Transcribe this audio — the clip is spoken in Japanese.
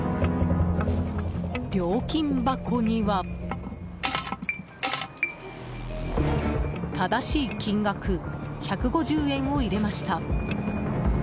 料金箱には、正しい金額１５０円を入れました。